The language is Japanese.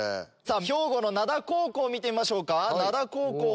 兵庫の灘高校見てみましょうか灘高校は？